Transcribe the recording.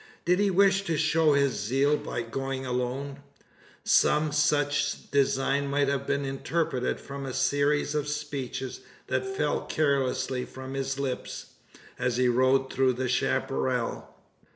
Did he wish to show his zeal by going alone? Some such design might have been interpreted from a series of speeches that fell carelessly from his lips, as he rode through the chapparal.